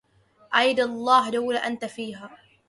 أيد الله دولة أنت فيها